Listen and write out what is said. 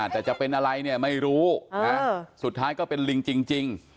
แต่จะเป็นอะไรเนี่ยไม่รู้สุดท้ายก็เป็นลิงจริง